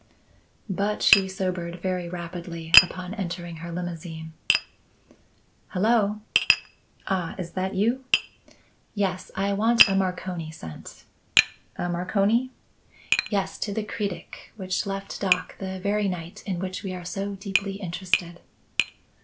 But she sobered very rapidly upon entering her limousine. "Hello!" "Ah, is that you?" "Yes, I want a Marconi sent." "A Marconi?" "Yes, to the Cretic, which left dock the very night in which we are so deeply interested."